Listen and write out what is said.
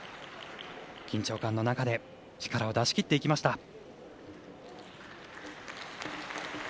緊張感の中で力を出しきっていきました。